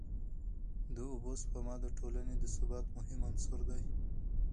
د اوبو سپما د ټولني د ثبات مهم عنصر دی.